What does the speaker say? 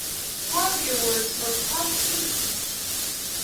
Four of the awards were posthumous.